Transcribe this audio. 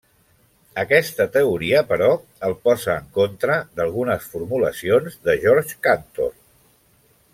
Aquesta teoria però, el posà en contra d'algunes formulacions de Georg Cantor.